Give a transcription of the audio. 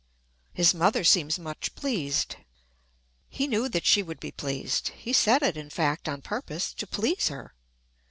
His mother seems much pleased. He knew that she would be pleased. He said it, in fact, on purpose to please her.